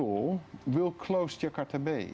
akan mengutuk jakarta bay